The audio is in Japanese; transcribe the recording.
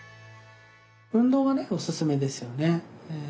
運動がねおすすめですよね。